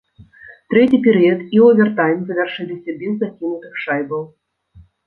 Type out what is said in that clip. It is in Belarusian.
Трэці перыяд і овертайм завяршыліся без закінутых шайбаў.